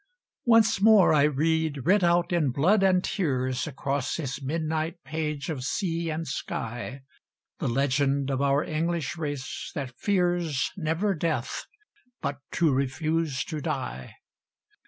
Once more I read, writ out in blood and tears, Across this midnight page of sea and sky, The legend of our English race that fears, never death, but to refuse to die